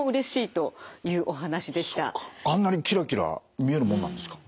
あんなにキラキラ見えるもんなんですか？